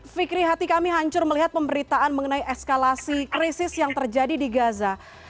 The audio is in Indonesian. fikri hati kami hancur melihat pemberitaan mengenai eskalasi krisis yang terjadi di gaza